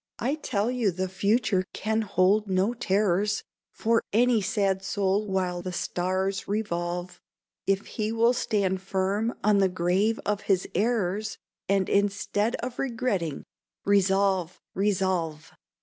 I tell you the future can hold no terrors For any sad soul while the stars revolve, If he will stand firm on the grave of his errors, And instead of regretting resolve, resolve!